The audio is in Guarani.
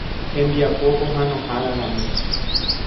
Hembiapo pohãnoháraramo.